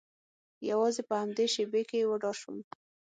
یوازې په همدې شیبې کې وډار شوم